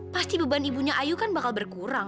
pasti beban ibunya ayu kan bakal berkurang